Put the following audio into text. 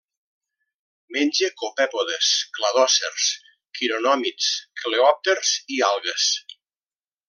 Menja copèpodes, cladòcers, quironòmids, coleòpters i algues.